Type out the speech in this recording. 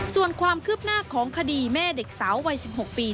ส่วนความคืบหน้าของคดีแม่เด็กสาววัย๑๖ปี